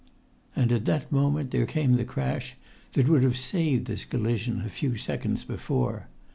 And at that moment there came the crash that would have saved this collision a few seconds before.